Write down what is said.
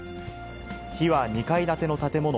火は２階建ての建物